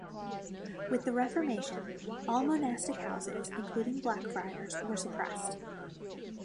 With the Reformation, all monastic houses, including Blackfriars, were suppressed.